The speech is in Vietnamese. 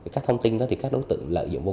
các thông tin đó thì các đối tượng lợi dụng